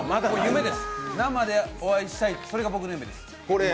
生でお会いしたい、それが僕の夢です。